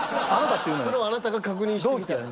それをあなたが確認してみたらいい。